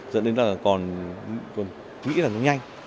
dẫn đến là còn nghĩ là nó nhanh